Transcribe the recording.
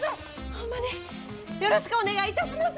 ホンマによろしくお願いいたします！